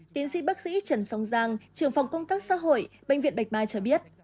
tiến sĩ bác sĩ trần sông giang trưởng phòng công tác xã hội bệnh viện bạch mai cho biết